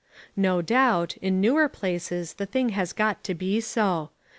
No doubt, in newer places the thing has got to be so.